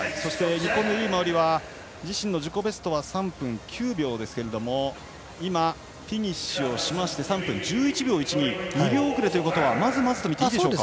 日本の由井真緒里は自身の自己ベストは３分９秒ですけども今、フィニッシュをしまして３分１１秒１２と２秒遅れということはまずまずとみていいでしょうか？